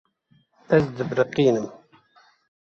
Ez dibiriqînim.